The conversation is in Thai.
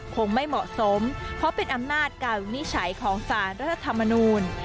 คงไม่เหมาะสมเพราะเป็นอำนาจการวินิจฉัยของสารรัฐธรรมนูล